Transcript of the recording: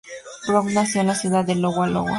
Brown nació en la ciudad de Iowa, Iowa.